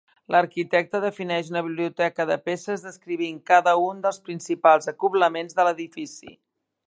L'arquitecte defineix una biblioteca de peces descrivint cada un dels principals acoblaments de l'edifici.